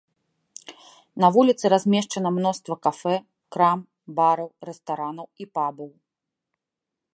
На вуліцы размешчана мноства кафэ, крам, бараў, рэстаранаў і пабаў.